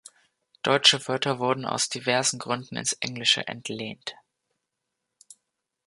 Deutsche Wörter wurden aus diversen Gründen ins Englische entlehnt.